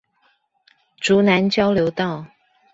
竹南交流道